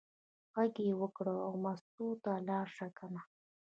غږ یې وکړ: وه مستو ته لاړه شه کنه.